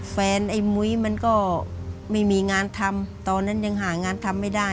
ไอ้มุ้ยมันก็ไม่มีงานทำตอนนั้นยังหางานทำไม่ได้